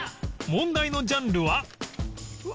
問題のジャンルは